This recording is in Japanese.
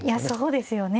そうですよね。